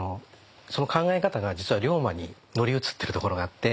その考え方が実は龍馬に乗り移ってるところがあって。